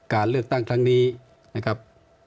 การเลือกตั้งครั้งนี้นะครับ